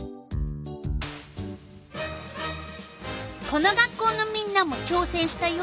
この学校のみんなもちょうせんしたよ。